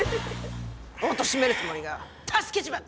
おとしめるつもりが助けちまった！